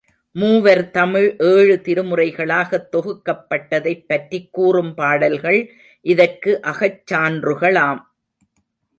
மூவர் தமிழ் ஏழு திருமுறைகளாகத் தொகுக்கப் பட்டதைப் பற்றிக் கூறும் பாடல்கள் இதற்கு அகச்சான்றுகளாம்.